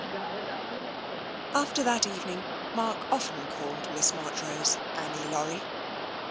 VII After that evening, Mark often called Miss March rose " Annie Laurie."